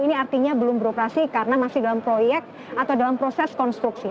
ini artinya belum beroperasi karena masih dalam proyek atau dalam proses konstruksi